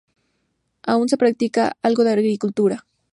Aun se practica algo de agricultura.